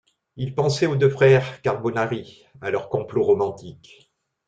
Il pensait aux deux frères carbonari, à leurs complots romantiques.